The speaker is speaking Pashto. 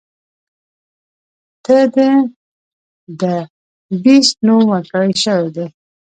ته د “The Beast” نوم ورکړے شوے دے.